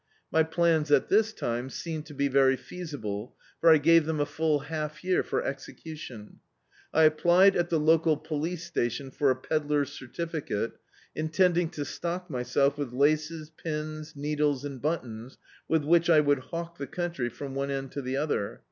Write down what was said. My plans at this time seemed to be very feasible, for I gave them a full half year for execudon. I applied at the local police station for a pedlar's cerdficate, intending to stock myself with laces, pins, needles and buttons with which I would hawk the country from one end to the other.